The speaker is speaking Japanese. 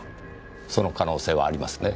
その可能性はありますねぇ。